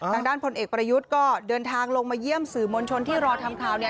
ทางด้านพลเอกประยุทธ์ก็เดินทางลงมาเยี่ยมสื่อมวลชนที่รอทำข่าวเนี่ย